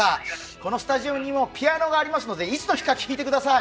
このスタジオにもピアノがありますので、いつの日か弾いてください